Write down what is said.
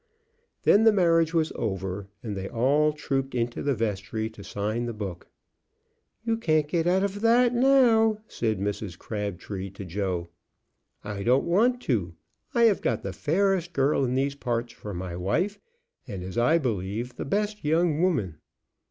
Then the marriage was over, and they all trooped into the vestry to sign the book. "You can't get out of that now," said Mrs. Crabtree to Joe. "I don't want to. I have got the fairest girl in these parts for my wife, and, as I believe, the best young woman."